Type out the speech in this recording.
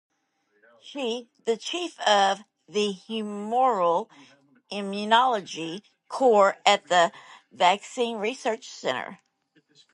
She is chief of the humoral immunology core at the Vaccine Research Center.